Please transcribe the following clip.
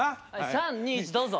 ３２１どうぞ！